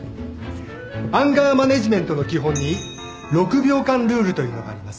アンガーマネジメントの基本に６秒間ルールというのがあります